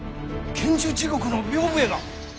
「剣樹地獄」の屏風絵が？